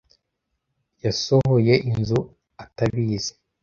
Yasohoye inzu atabizi.